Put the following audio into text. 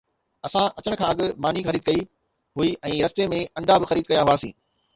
اسان اچڻ کان اڳ ماني خريد ڪئي هئي ۽ رستي ۾ انڊا به خريد ڪيا هئاسين